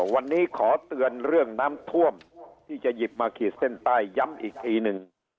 วันนี้ขอเตือนเรื่องน้ำท่วมที่จะหยิบมาขีดเส้นใต้ย้ำอีกทีหนึ่ง